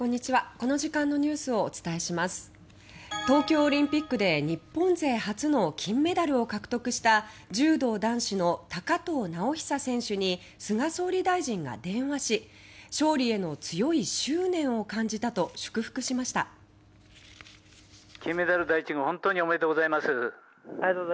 東京オリンピックで日本勢初の金メダルを獲得した柔道男子の高藤直寿選手に菅総理大臣が電話し勝利への強い執念を感じたと祝福しました。